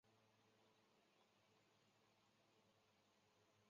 回到家又心血来潮写了一篇文